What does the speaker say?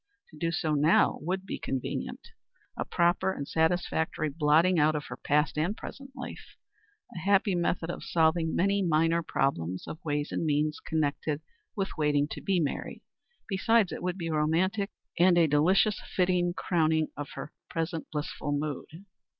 To do so now would be convenient a prompt and satisfactory blotting out of her past and present life a happy method of solving many minor problems of ways and means connected with waiting to be married. Besides it would be romantic, and a delicious, fitting crowning of her present blissful mood.